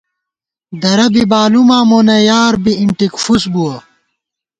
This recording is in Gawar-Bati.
درہ بی بالُوماں مونہ یار بی اِنٹِک فُوس بُوَہ